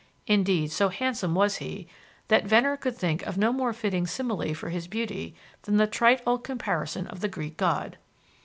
Indeed, so handsome was he, that Venner could think of no more fitting simile for his beauty than the trite old comparison of the Greek god.